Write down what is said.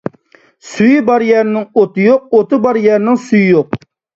سۈيى بار يەرنىڭ ئوتى يوق، ئوتى بار يەرنىڭ سۈيى يوق.